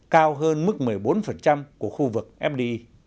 cao hơn mức một mươi bốn của khu vực fdi